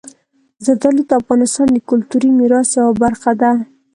زردالو د افغانستان د کلتوري میراث یوه برخه ده.